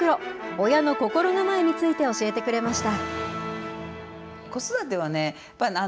親の心構えについて、教えてくれました。